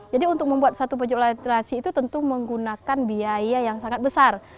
jadi untuk membuat satu pojok literasi itu tentu menggunakan biaya yang sangat besar